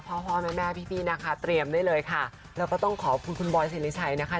พ่อแม่แม่พี่นะคะเตรียมได้เลยค่ะแล้วก็ต้องขอบคุณคุณบอยสิริชัยนะคะ